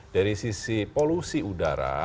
dari sisi polusi udara